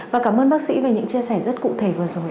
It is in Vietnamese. và cảm ơn bác sĩ về những chia sẻ rất cụ thể vừa rồi